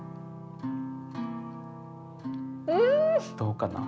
どうかな？